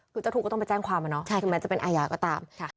คือเจ้าทุกข์ก็ต้องไปแจ้งความแม้จะเป็นอาญาก็ตาม